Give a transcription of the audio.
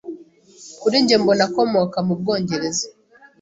Kuri njye mbona akomoka mu Bwongereza.